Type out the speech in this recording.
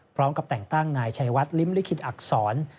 พร้อมกับแต่งตั้งนายชัยวัดลิ้มลิขิตอักษร